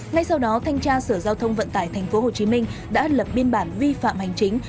ngay sau đó thanh tra sở giao thông vận tải tp hcm đã lập biên bản vi phạm hành chính